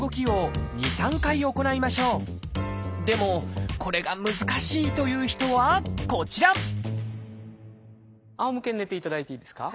でもこれが難しいという人はこちらあおむけに寝ていただいていいですか。